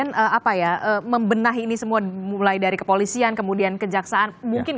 amat tidak entar polisi kemudian apa ya membenahi ini semua mulai dari kepolisian kemudian kejaksaan